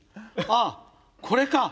あっこれか！